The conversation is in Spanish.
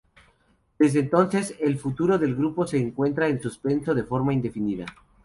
Desde entonces, el futuro del grupo se encuentra en suspenso de forma indefinida.